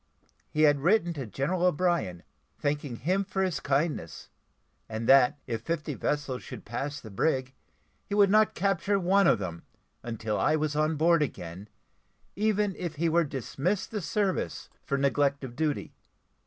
He had written to General O'Brien, thanking him for his kindness: and that, if fifty vessels should pass the brig, he would not capture one of them, until I was on board again, even if he were dismissed the service for neglect of duty.